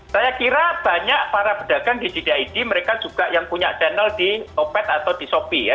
saya kira banyak para pedagang di gdid mereka juga yang punya channel di opet atau di shopee ya